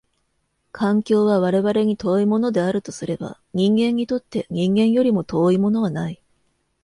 環境は我々に遠いものであるとすれば、人間にとって人間よりも遠いものはない。